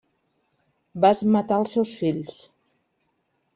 Vas matar els seus fills.